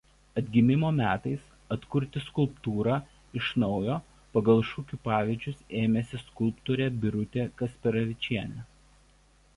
Atgimimo metais atkurti skulptūrą iš naujo pagal šukių pavyzdžius ėmėsi skulptorė Birutė Kasperavičienė.